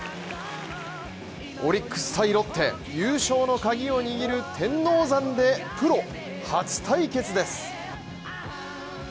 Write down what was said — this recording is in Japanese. オリックス×ロッテ、優勝のカギを握る天王山で、プロ初対決です。